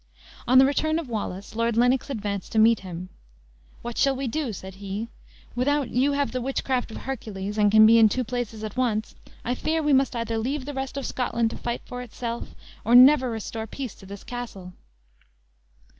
On the return of Wallace, Lord Lennox advanced to meet him. "What shall we do?" said he. "Without you have the witchcraft of Hercules, and can be in two places at once, I fear we must either leave the rest of Scotland to fight for itself, or never restore peace to this castle!"